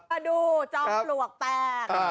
มาดูจอมปลวกแตก